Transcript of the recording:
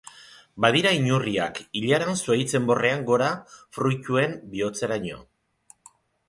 Badira inurriak, ilaran zuhaitz enborrean gora fruituen bihotzeraino.